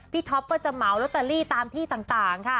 พี่ท็อปก็จะเมาลูทัลลีตามที่ต่างค่ะ